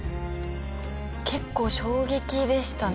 結構衝撃でしたね。